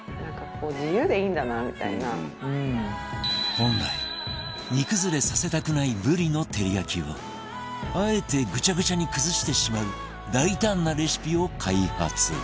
本来煮崩れさせたくないブリの照り焼きをあえてぐちゃぐちゃに崩してしまう大胆なレシピを開発